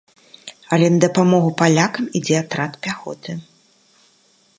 Але на дапамогу палякам ідзе атрад пяхоты.